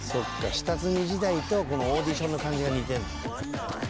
下積み時代とこのオーディションの感じが似てるんだ」